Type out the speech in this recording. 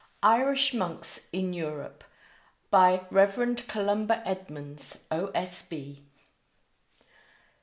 IRISH MONKS IN EUROPE By Rev. Columba Edmonds, O.S.B. St.